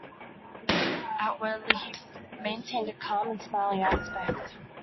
Outwardly, he maintained a calm and smiling aspect.